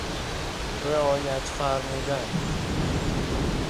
رعایت فرمودن